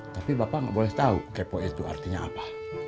tapi bapak gak boleh tau kepo itu artinya apa